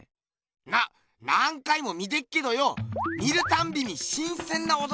な何回も見てっけどよ見るたんびにしんせんなおどろきがあるな。